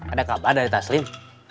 ada kabar dari taslim